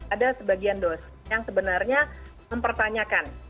ada sebagian dosen yang sebenarnya mempertanyakan